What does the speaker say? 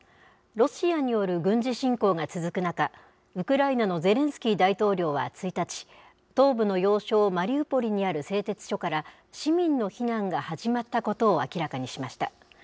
ロシアによる軍事侵攻が続く中、ウクライナのゼレンスキー大統領は１日、東部の要衝マリウポリにある製鉄所から、市民の避難が始まったことを明らかにしました。